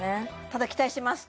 ただ期待してます